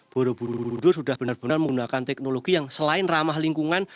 borobudur sudah benar benar menggunakan teknologi yang selain ramah lingkungan